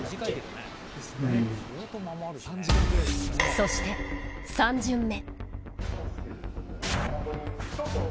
そして、３巡目。